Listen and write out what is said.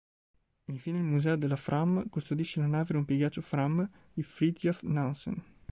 Infine il Museo della Fram custodisce la nave rompighiaccio "Fram" di Fridtjof Nansen.